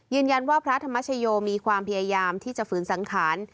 พระธรรมชโยมีความพยายามที่จะฝืนสังขาร